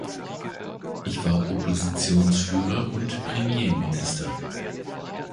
Ich war Oppositionsführer und Premierminister.